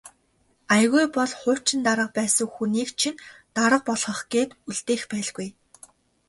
Аягүй бол хуучин дарга байсан хүнийг чинь дарга болгох гээд үлдээх байлгүй.